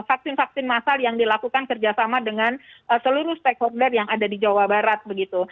vaksin vaksin masal yang dilakukan kerjasama dengan seluruh stakeholder yang ada di jawa barat begitu